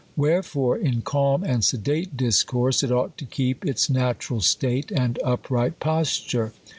Wherefore, in calm and sedate discourse, it ought to keep its natural state, and upright posture.